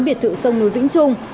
biệt thự sông núi vĩnh trung